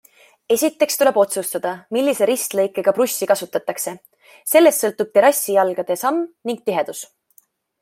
Esiteks tuleb otsustada, millise ristlõikega prussi kasutatakse, sellest sõltub terrassijalgade samm ning tihedus.